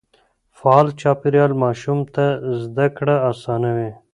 فعال چاپېريال ماشوم ته زده کړه آسانوي.